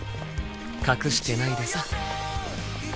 隠してないでさ